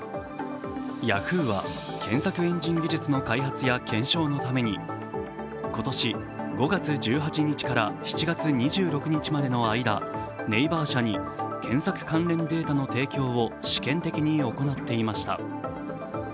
ヤフーは検索エンジン技術の開発や検証のために今年５月１８日から７月２６日までの間、ＮＡＶＥＲ社に検索関連データの提供を試験的に行っていました。